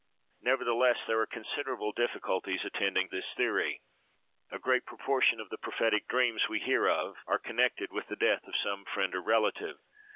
Nevertheless, there are considerable difficulties attending this theory. A great proportion of the prophetic dreams we hear of are connected with the death of some friend or relative.